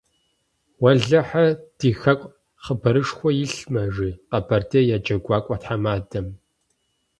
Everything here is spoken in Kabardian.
- Уэлэхьэ, ди хэку хъыбарышхуэ илъмэ, - жи Къэбэрдейм я джэгуакӀуэ тхьэмадэм.